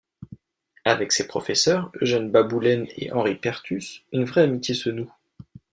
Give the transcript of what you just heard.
Avec ses professeurs, Eugène Baboulène et Henri Pertus, une vraie amitié se noue.